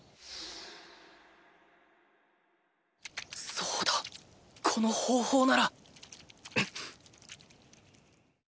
そうだこの方法なら！